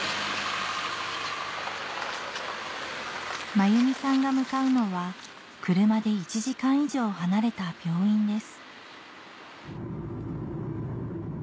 真弓さんが向かうのは車で１時間以上離れた病院です